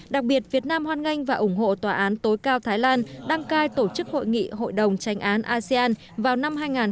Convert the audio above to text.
đặc biệt việt nam hoan nghênh và ủng hộ tòa án tối cao thái lan đăng cai tổ chức hội nghị hội đồng tranh án asean vào năm hai nghìn hai mươi